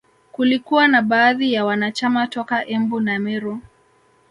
Kulikuwa na baadhi ya wanachama toka Embu na Meru